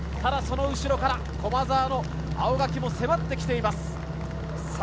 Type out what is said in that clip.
その後ろから駒澤の青柿も迫ってきています。